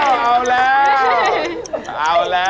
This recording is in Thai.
เอาแล้วเอาแล้ว